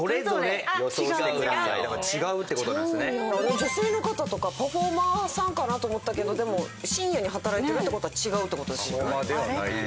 女性の方とかパフォーマーさんかな？と思ったけどでも深夜に働いてるっていう事は違うって事ですもんね。